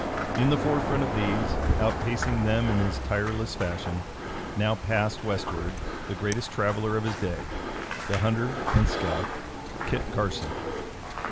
In the forefront of these, outpacing them in his tireless fashion, now passed westward the greatest traveler of his day, the hunter and scout, Kit Carson.